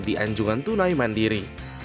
di anjungan tunai mandiri